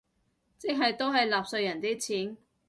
即係都係納稅人啲錢